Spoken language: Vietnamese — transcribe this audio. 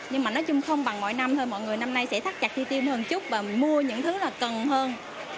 nhưng mà nói chung không bằng mọi năm thôi mọi người năm nay sẽ thắt chặt chi tiêu hơn chút và mua những thứ là cần hơn